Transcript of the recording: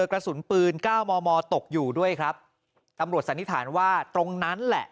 กระสุนปืนเก้ามอมอตกอยู่ด้วยครับตำรวจสันนิษฐานว่าตรงนั้นแหละ